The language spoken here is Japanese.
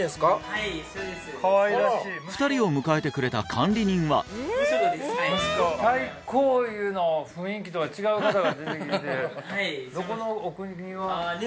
はいそうです２人を迎えてくれた管理人は太閤湯の雰囲気とは違う方が出てきてるどこのお国は？